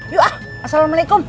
yuh ah assalamualaikum